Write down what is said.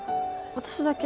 私だけ？